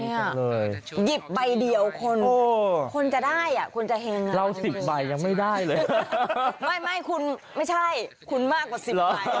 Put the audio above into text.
หยิบใบเดียวคนคนจะได้อ่ะคุณจะแฮงเลยนะครับไม่คุณไม่ใช่คุณมากกว่า๑๐ใบ